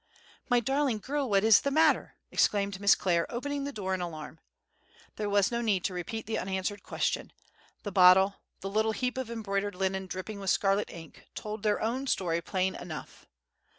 "My darling girl, what is the matter?" exclaimed Miss Clare, opening the door in alarm. There was no need to repeat the unanswered question; the bottle, the little heap of embroidered linen dripping with scarlet ink, told their own story plainly enough.